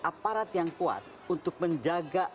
aparat yang kuat untuk menjaga